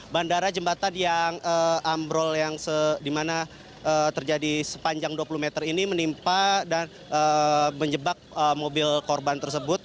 bandara jembatan yang ambrol yang dimana terjadi sepanjang dua puluh meter ini menimpa dan menjebak mobil korban tersebut